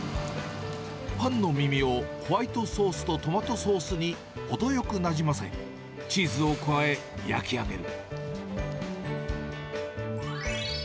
パンの耳をホワイトソースとトマトソースに程よくなじませ、チーズを加え、焼き上げる。